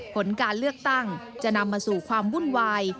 ผลการเลือกตั้งจะนำมาสู่ความวุ่นวาย